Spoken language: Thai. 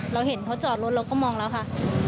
เราเห็นเขาจอดรถเราก็มองแล้วค่ะ